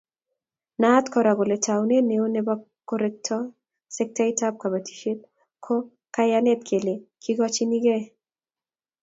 Naat Kora kole taunet neo nebo korekto sektaib kobotisiet ko kayanet kele kigochinikei